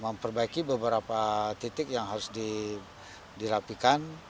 memperbaiki beberapa titik yang harus dirapikan